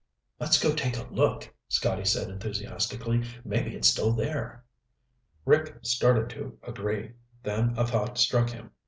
"Let's go take a look," Scotty said enthusiastically. "Maybe it's still there." Rick started to agree, then a thought struck him.